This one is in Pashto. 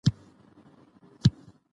مهم داده چې تاسو د موضوع